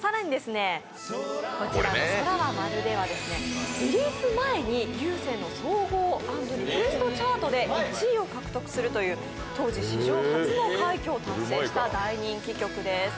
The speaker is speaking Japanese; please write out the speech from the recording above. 更に「空はまるで」はリリース前に有線の総合＆リクエストチャートで１位を獲得するという、当時史上初の快挙を達成したという大人気曲です。